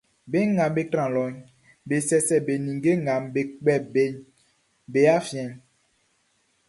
Be nga be tran lɔʼn, be cɛcɛ be ninnge nga be kpɛ beʼn be afiɛn.